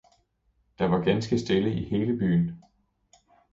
Det var ganske stille i hele byen.